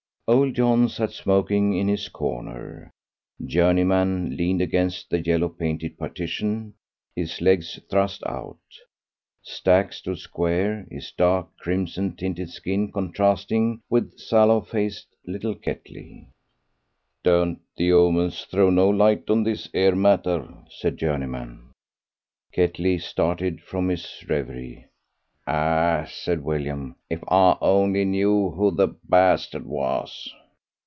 Old John sat smoking in his corner. Journeyman leaned against the yellow painted partition, his legs thrust out. Stack stood square, his dark, crimson tinted skin contrasting with sallow faced little Ketley. "Don't the omens throw no light on this 'ere matter?" said Journeyman. Ketley started from his reverie. "Ah," said William, "if I only knew who the b was."